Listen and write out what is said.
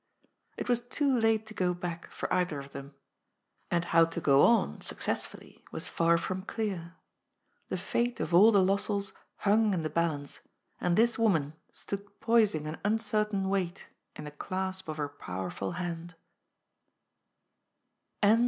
It was too late to go back, for either of them. And how to go on successfully, was far from clear. The fate of all the Lossells hung in the balance, and this woman stood poising an uncertain weight in the clasp of her powerful hand.